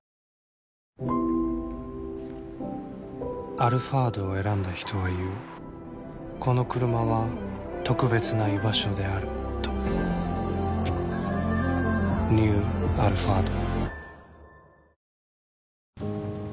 「アルファード」を選んだ人は言うこのクルマは特別な居場所であるとニュー「アルファード」